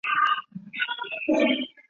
兰屿鱼藤为豆科鱼藤属下的一个种。